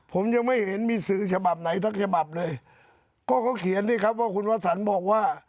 ผมยังไม่เห็นมีสื่อฉบับไหนสักฉบับเลยก็เขาเขียนสิครับว่าคุณวสันบอกว่า